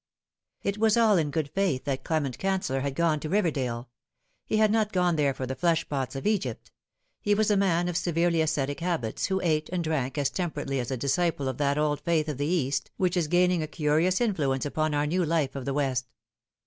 IT was in all good faith that Clement Canceller had gone to Riverdale. He had not gone there for the fleshpots of Egypt. He was a man of severely ascetic habits, who ate and drank as temper ately as a disciple of that old faith of the East which is gaining a curious influence upon our new life of the West.